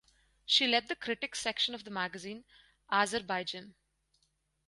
She led the critics section of the magazine "Azerbaijan".